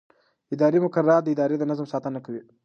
اداري مقررات د ادارې د نظم ساتنه کوي.